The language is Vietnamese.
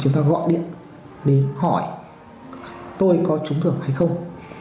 chúng ta gọi điện để hỏi tôi có trúng giải thưởng hay không